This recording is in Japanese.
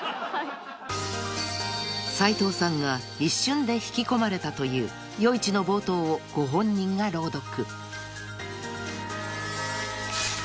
［斉藤さんが一瞬で引き込まれたという『夜市』の冒頭をご本人が朗読］